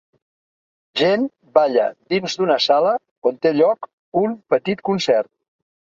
Gent balla dins d'una sala on té lloc un petit concert.